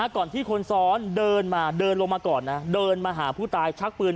ก่อนที่คนซ้อนเดินมาเดินลงมาก่อนนะเดินมาหาผู้ตายชักปืน